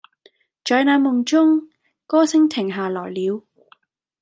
在那夢中，歌聲停下來了